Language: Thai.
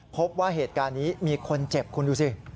พบว่าเหตุการณ์นี้มีคนเจ็บคุณดูสิ